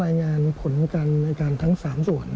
อะไรงานผลกันในการทั้งสามส่วน